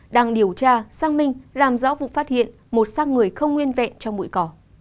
đang điều tra xác minh làm rõ vụ phát hiện một sát người không nguyên vẹn trong bụi cỏ